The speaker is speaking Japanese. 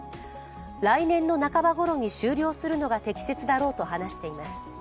来年の半ばごろに終了するのが適切だろうと話しています。